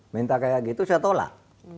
minta kayak gitu saya tolak